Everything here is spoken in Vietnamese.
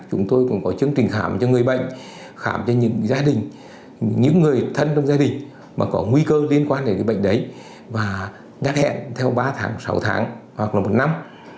chúng tôi cũng có chương trình khám cho người bệnh khám cho những gia đình những người thân trong gia đình mà có nguy cơ liên quan đến bệnh đấy và nhắc hẹn theo ba tháng sáu tháng hoặc là một năm